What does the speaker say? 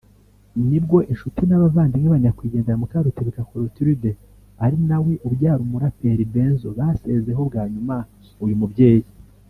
nibwo inshuti n’abavandimwe ba nyakwigendera Mukarutebuka Clotilde ari nawe ubyara umuraperi Benzo basezeho bwa nyuma uyu mubyeyi